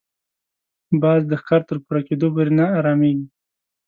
باز د ښکار تر پوره کېدو پورې نه اراميږي